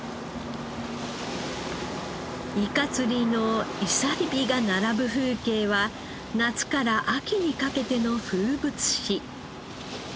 イカ釣りの漁火が並ぶ風景は夏から秋にかけての風物詩。